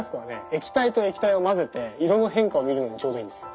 液体と液体を混ぜて色の変化を見るのにちょうどいいんですよ。